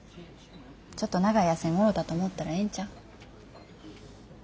ちょっと長い休みもろたと思ったらええんちゃう？